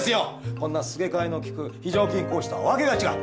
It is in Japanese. こんなすげ替えの利く非常勤講師とは訳が違う。